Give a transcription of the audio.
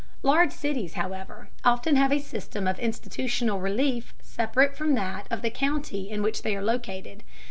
Large cities, however, often have a system of institutional relief separate from that of the county in which they are located.